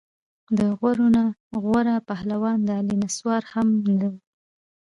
د غورو نه غوره پهلوان د علي نسوار هم نه وو.